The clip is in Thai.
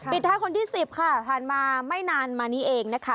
ท้ายคนที่๑๐ค่ะผ่านมาไม่นานมานี้เองนะคะ